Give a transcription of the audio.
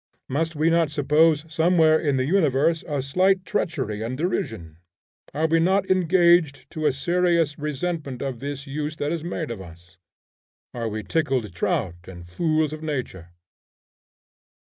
Must we not suppose somewhere in the universe a slight treachery and derision? Are we not engaged to a serious resentment of this use that is made of us? Are we tickled trout, and fools of nature?